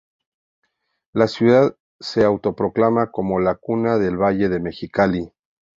La ciudad se autoproclama como "La Cuna del Valle de Mexicali".